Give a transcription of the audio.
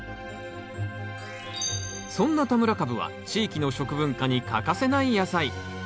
そんな田村かぶは地域の食文化に欠かせない野菜。